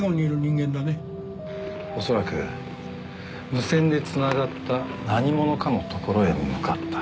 おそらく無線でつながった何者かの所へ向かった。